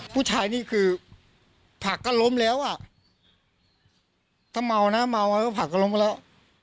ผู้ชายนี่คือผากก็ล้มแล้วอ่ะก็เมานะเมาก็ผากก็ล้มแล้ว